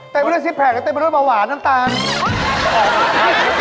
เต็มไปด้วยซิปแพคแล้วเต็มไปด้วยเบาหวานน้ำตาล